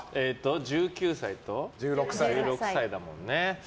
１９歳と１６歳だもんね。